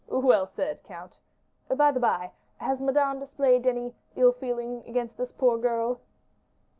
"Well said, count! By the by, has Madame displayed any ill feeling against this poor girl?"